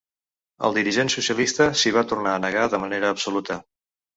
El dirigent socialista s’hi va tornar a negar de manera absoluta.